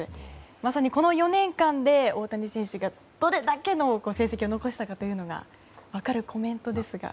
まさにこの４年間で大谷選手がどれだけの成績を残したかということが分かるコメントですが。